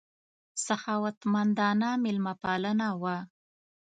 سخاوتمندانه مېلمه پالنه وه.